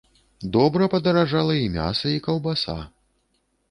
Добра падаражала і мяса, і каўбаса.